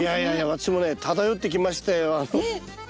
私もね漂ってきましたよ。